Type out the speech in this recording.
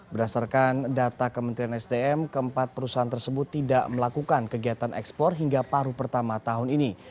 berdasarkan data kementerian sdm keempat perusahaan tersebut tidak melakukan kegiatan ekspor hingga paru pertama tahun ini